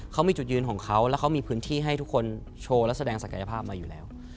เขามีจุดยืนของเขาแล้วเขามีพื้นที่ให้ทุกคนโชว์และแสดงศักยภาพมาอยู่แล้ว